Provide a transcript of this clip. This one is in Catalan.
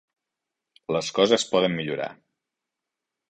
Les coses poden millorar.